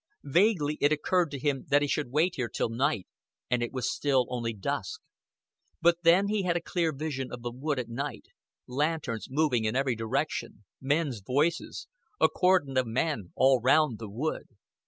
Vaguely it occurred to him that he should wait here till night, and it was still only dusk. But then he had a clear vision of the wood at night lanterns moving in every direction, men's voices, a cordon of men all round the wood.